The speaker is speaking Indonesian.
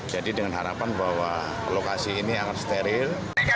jadi dengan harapan bahwa lokasi ini akan steril